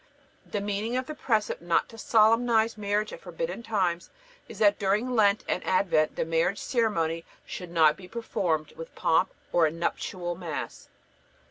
The meaning of the precept not to solemnize marriage at forbidden times is that during Lent and Advent the marriage ceremony should not be performed with pomp or a nuptial Mass.